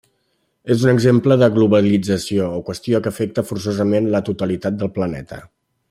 És un exemple de globalització o qüestió que afecta forçosament la totalitat del planeta.